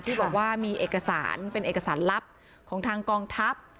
ที่บอกว่ามีเอกสารเป็นเอกสารลับของทางกองทัพ